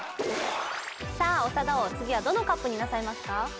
さあ長田王次はどのＣＵＰになさいますか？